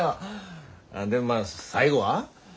ああでもまあ最後は？